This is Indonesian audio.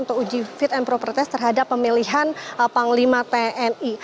ini adalah peraturan untuk uji fit and proper test terhadap pemilihan panglima tni